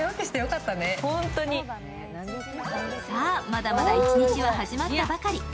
まだまだ一日は始まったばかり。